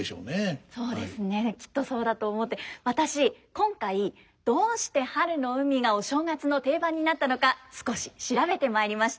今回どうして「春の海」がお正月の定番になったのか少し調べてまいりました。